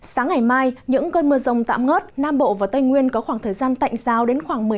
sáng ngày mai những cơn mưa rồng tạm ngớt nam bộ và tây nguyên có khoảng thời gian tạnh sao